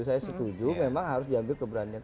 saya setuju memang harus diambil keberanian